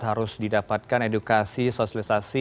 harus didapatkan edukasi sosialisasi